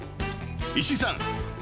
［石井さん。